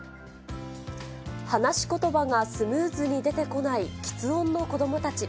話しことばがスムーズに出てこない、きつ音の子どもたち。